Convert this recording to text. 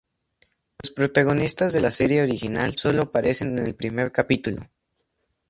Los protagonistas de la serie original solo aparecen en el primer capítulo.